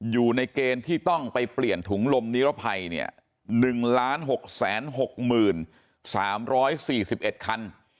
อยู่ในเกณฑ์ที่ต้องไปเปลี่ยนถุงลมนิรภัย๑๖๖๓๔๑คัน